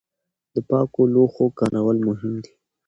د پاکو لوښو کارول مهم دي.